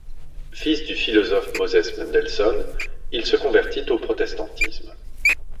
Fils du philosophe Moses Mendelssohn, il se convertit au protestantisme.